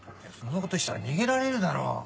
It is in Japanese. そんなことしたら逃げられるだろう。